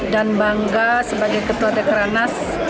dan bangga sebagai ketua dekranas